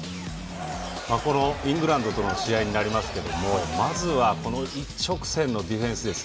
イングランドとの試合になりますがまずは一直線のディフェンスです。